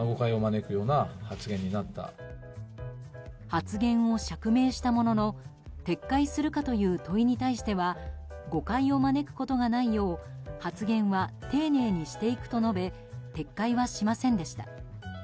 発言を釈明したものの撤回するかという問いに対しては誤解を招くことがないよう発言を丁寧にしていくと述べ撤回はしませんでした。